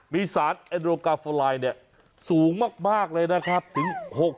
มีสารเอดูกาโฟไลด์สูงมากเลยนะครับถึง๖๐๑